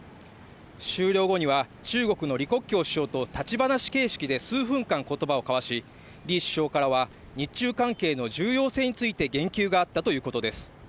終了後には、中国の李克強首相と立ち話形式で数分間言葉を交わし李首相からは日中関係の重要性について言及があったということです。